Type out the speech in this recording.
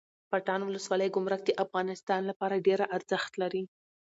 پټان ولسوالۍ ګمرک د افغانستان لپاره ډیره ارزښت لري